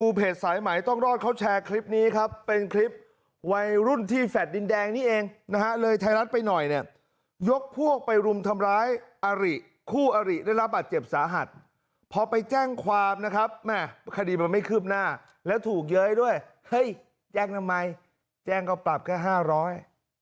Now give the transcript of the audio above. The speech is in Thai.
เพจสายไหมต้องรอดเขาแชร์คลิปนี้ครับเป็นคลิปวัยรุ่นที่แฟลต์ดินแดงนี้เองนะฮะเลยไทยรัฐไปหน่อยเนี่ยยกพวกไปรุมทำร้ายอาริคู่อริได้รับบาดเจ็บสาหัสพอไปแจ้งความนะครับแม่คดีมันไม่คืบหน้าแล้วถูกเย้ยด้วยเฮ้ยแจ้งทำไมแจ้งก็ปรับแค่ห้าร้อย